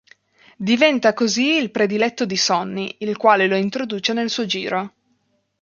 Diventa così il prediletto di Sonny, il quale lo introduce nel suo giro.